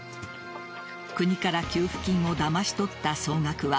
国から給付金をだまし取った総額は